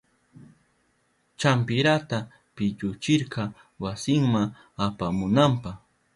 Champirata pilluchirka wasinma apamunanpa.